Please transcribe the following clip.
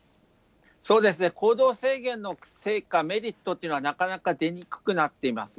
そうですね、行動制限の成果、メリットというのはなかなか出にくくなっています。